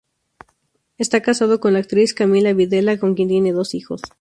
Está casado con la actriz Camila Videla con quien tiene dos hijos.